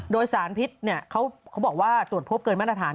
โดยสารพิษเขาบอกว่าตรวจพบเกินมาตรฐาน